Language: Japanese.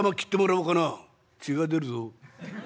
「血が出るぞ」。